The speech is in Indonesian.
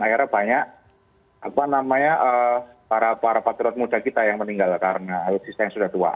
akhirnya banyak apa namanya para patriot muda kita yang meninggal karena alutsista yang sudah tua